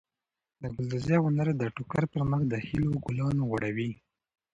د ګلدوزۍ هنر د ټوکر پر مخ د هیلو ګلان غوړوي.